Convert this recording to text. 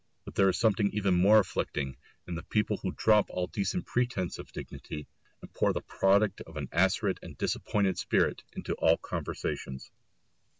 But there is something even more afflicting in the people who drop all decent pretence of dignity, and pour the product of an acrid and disappointed spirit into all conversations.